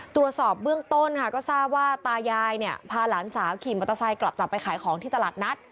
ตรวจสอบเบื้องต้นค่ะก็ทราบว่าตายายเนี่ยพาหลานสาวขี่มอเตอร์ไซค์กลับจากไปขายของที่ตลาดนัด